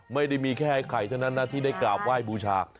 ไม่ได้มีแค่ไอ้ไข่เท่านั้นนะที่ได้กราบไหว้บูชา